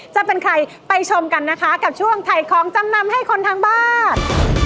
จะเป็นใครไปชมกันนะคะกับช่วงถ่ายของจำนำให้คนทางบ้าน